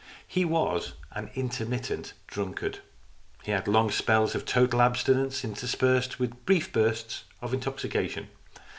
He was an intermittent drunkard. He had long spells of total abstinence, interspersed with brief bursts of intoxication.